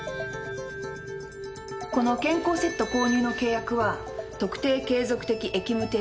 この健康セット購入の契約は特定継続的役務提供